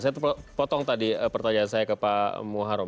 saya potong tadi pertanyaan saya ke pak muharrem